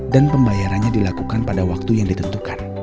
dan pembayarannya dilakukan pada waktu yang ditentukan